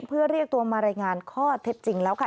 เพื่อเรียกตัวมารายงานข้อเท็จจริงแล้วค่ะ